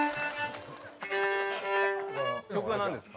曲は何ですか？